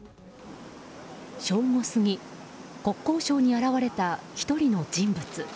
正午過ぎ、国交省に現れた１人の人物。